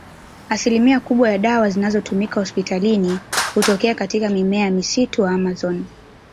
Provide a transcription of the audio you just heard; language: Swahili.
Asilimia kubwa ya dawa zinazotumika hospitalini hutokea katika mimea ya msitu wa Amazon